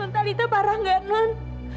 ron talita parah nggak non